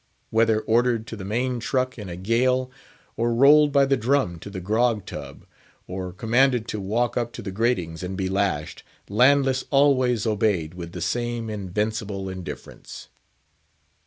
Whether ordered to the main truck in a gale; or rolled by the drum to the grog tub; or commanded to walk up to the gratings and be lashed, Landess always obeyed with the same invincible indifference.